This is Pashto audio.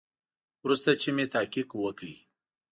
وروسته چې مې تحقیق وکړ.